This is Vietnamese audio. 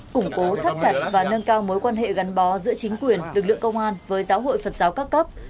củng cố thắt chặt và nâng cao mối quan hệ gắn bó giữa chính quyền lực lượng công an với giáo hội phật giáo các cấp